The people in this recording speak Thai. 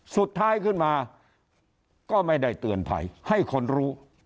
สุดท้ายขึ้นมาก็ไม่ได้เตือนภัยให้คนรู้